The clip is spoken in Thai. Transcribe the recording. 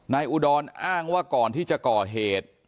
อุดรอ้างว่าก่อนที่จะก่อเหตุ